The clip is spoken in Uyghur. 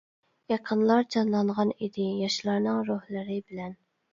ئېقىنلار جانلانغان ئىدى ياشلارنىڭ روھلىرى بىلەن.